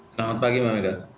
selamat pagi mbak medan